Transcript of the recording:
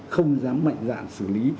không dám mạnh dạn xử lý